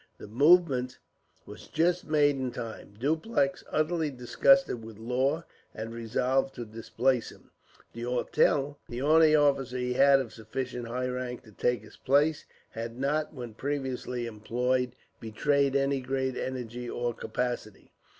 The movement was just made in time. Dupleix, utterly disgusted with Law, had resolved to displace him. D'Auteuil, the only officer he had of sufficient high rank to take his place, had not, when previously employed, betrayed any great energy or capacity.